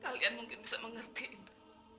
kalian mungkin bisa mengerti itu